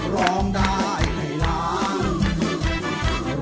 ร้องได้ให้ล้าน